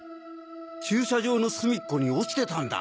駐車場の隅っこに落ちてたんだ。